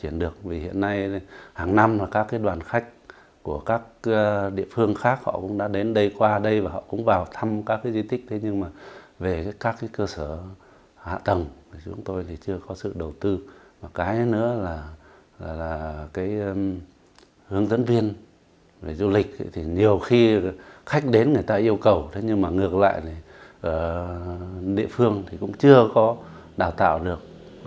nhưng ngược lại địa phương cũng chưa có đào tạo được